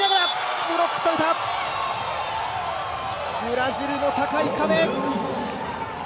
ブラジルの高い壁。